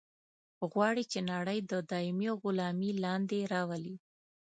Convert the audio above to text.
غواړي چې نړۍ د دایمي غلامي لاندې راولي.